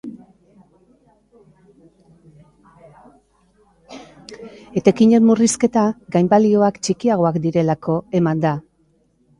Etekinen murrizketa gainbalioak txikiagoak direlako eman da.